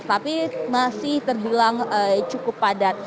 tapi masih terbilang cukup padat